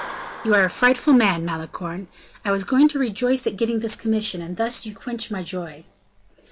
"You are a frightful man, Malicorne; I was going to rejoice at getting this commission, and thus you quench my joy."